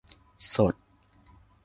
สด